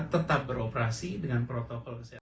tetap beroperasi dengan protokol